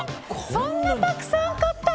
そんなたくさん買ったの。